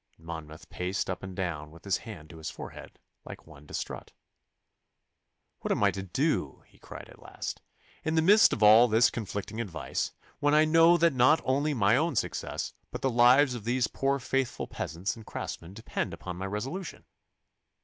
Monmouth paced up and down with his hand to his forehead like one distrait. 'What am I to do,' he cried at last, 'in the midst of all this conflicting advice, when I know that not only my own success, but the lives of these poor faithful peasants and craftsmen depend upon my resolution?